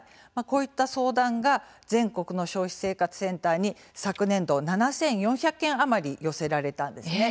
こういった相談が全国の消費生活センターに昨年度７４００件余り寄せられたんですね。